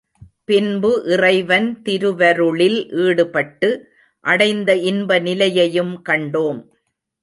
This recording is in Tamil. பின்பு இறைவன் திருவருளில் ஈடுபட்டு, அடைந்த இன்ப நிலையையும் கண்டோம்.